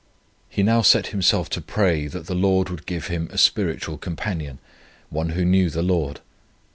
He now set himself to pray, that the Lord would give him a spiritual companion, one who knew the Lord.